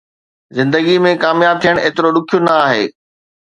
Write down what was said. زندگي ۾ ڪامياب ٿيڻ ايترو ڏکيو نه آهي